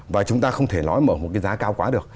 và chúng ta không thể nói mở một cái giá cao quá được